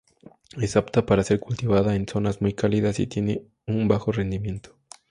Es apta para ser cultivada en zonas muy cálidas y tiene un bajo rendimiento.